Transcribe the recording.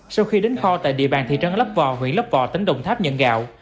sau khi đến kho tại địa bàn thị trấn lấp vò huyện lấp vò tỉnh đồng tháp nhận gạo